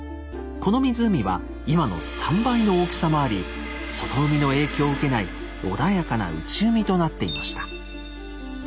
この湖は今の３倍の大きさもあり外海の影響を受けない穏やかな内海となっていました。